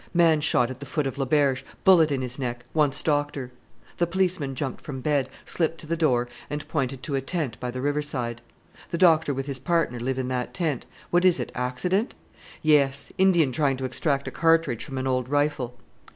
"Man shot at the foot of Le Berge; bullet in his neck; wants doctor." The policeman jumped from bed, slipped to the door, and pointed to a tent by the river side. "The doctor with his partner live in that tent. What is it accident?" "Yes; Indian trying to extract a cartridge from an old rifle."